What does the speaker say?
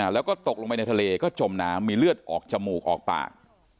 แล้วก็ตกลงไปในทะเลก็จมน้ำมีเลือดออกจมูกออกปาก